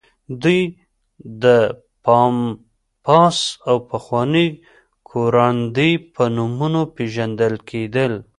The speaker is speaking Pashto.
دوی د پامپاس او پخواني کوراندي په نومونو پېژندل کېدل.